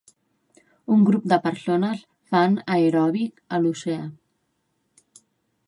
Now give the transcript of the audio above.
Un grup de persones fan aeròbic a l'oceà.